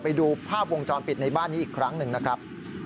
ไปดูภาพวงจรปิดในบ้านนี้อีกครั้งหนึ่งนะครับ